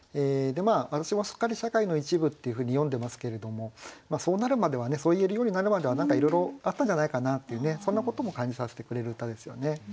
「私もすっかり社会の一部」っていうふうに詠んでますけれどもそうなるまではねそう言えるようになるまでは何かいろいろあったんじゃないかなっていうそんなことも感じさせてくれる歌ですよね。